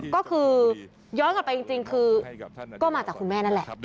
ก็คือย้อนกลับไปจริงคือก็มาจากคุณแม่นั่นแหละ